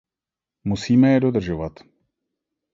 Musíme je dodržovat.